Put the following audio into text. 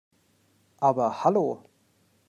Aber hallo!